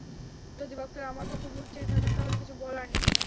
যদি বক্তারা আমার পক্ষে ভোট চেয়ে থাকেন, তাহলে কিছু বলার নেই।